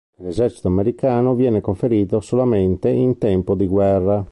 Nell'esercito americano viene conferito solamente in tempo di guerra.